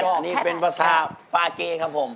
อันนี้เป็นภาษาปาเก้ครับผม